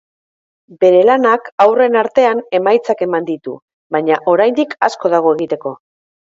Bere lanak haurren artean emaitzak eman ditu, baina oraindik asko dago egiteko.